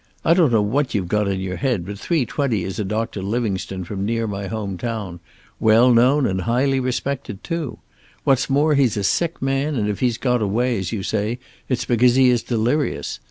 I don't know what you've got in your head, but three twenty is a Doctor Livingstone from near my home town. Well known and highly respected, too. What's more, he's a sick man, and if he's got away, as you say, it's because he is delirious.